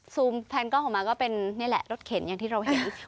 แพนกล้องออกมาก็เป็นนี่แหละรถเข็นอย่างที่เราเห็น